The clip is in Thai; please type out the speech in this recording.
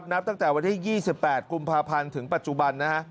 นับตั้งแต่วันที่๒๘กุมภาพันธ์ถึงปัจจุบันนะฮะ